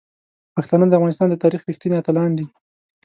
پښتانه د افغانستان د تاریخ رښتیني اتلان دي.